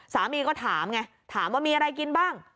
สามีก็ถามไงถามว่ามีอะไรกินบ้าง